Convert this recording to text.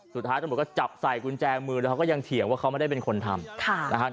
สุดท้ายตำรวจก็จับใส่กุญแจมือแล้วเขาก็ยังเถียงว่าเขาไม่ได้เป็นคนทำนะครับ